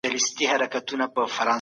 موږ د طلا خاوندان یو.